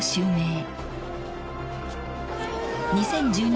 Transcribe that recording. ［２０１２年の］